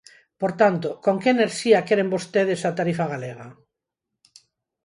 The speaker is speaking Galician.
Por tanto, ¿con que enerxía queren vostedes a tarifa galega?